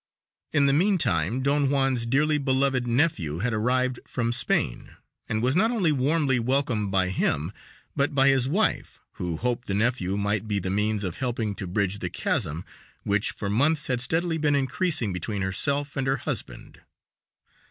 In the meantime Don Juan's dearly beloved nephew had arrived from Spain, and was not only warmly welcomed by him, but by his wife, who hoped the nephew might be the means of helping to bridge the chasm, which for months had steadily been increasing between herself and her husband.